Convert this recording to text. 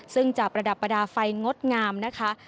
ซึ่งจะประดับประดาษไฟงดงามนะคะ